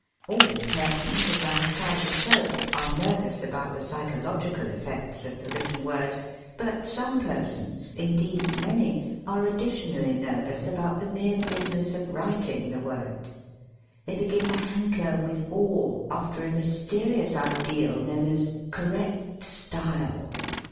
All persons, as I have tried to show, are nervous about the psychological efi^ects of the written word, but some persons^ — ^indeed many — are additionally nervous about the mere business of writing the word. They begin to hanker, with awe, after a mysterious ideal known as "correct style.